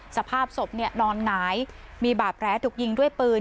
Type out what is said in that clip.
สภาพศพนี่นอนไหนมีบาปแร้ถูกยิงด้วยปืน